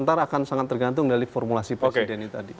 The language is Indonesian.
ntar akan sangat tergantung dari formulasi presidennya tadi